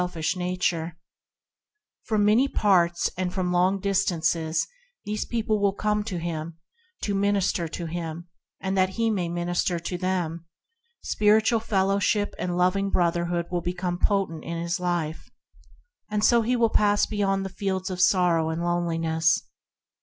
From many parts and from long distances these people will come to him to minister to him and that he may minister to them, spiritual fellowship and loving brotherhood will become potent factors in his life, and so he will pass beyond the Fields of Sorrow and Loneliness.